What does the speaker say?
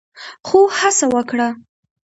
خو هڅه وکړه